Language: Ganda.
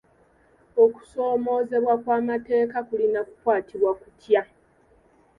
Okusoomoozebwa okw'amateeka kulina kukwatibwa kutya?